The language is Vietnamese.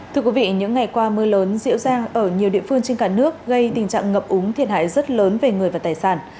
thưa quý vị những ngày qua mưa lớn diễn ra ở nhiều địa phương trên cả nước gây tình trạng ngập úng thiệt hại rất lớn về người và tài sản